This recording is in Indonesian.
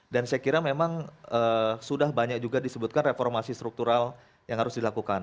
dan saya kira memang sudah banyak juga disebutkan reformasi struktural yang harus dilakukan